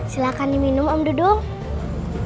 silahkan diminum om dudung